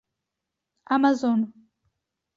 Amazon.